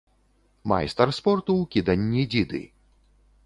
Майстар спорту ў кіданні дзіды.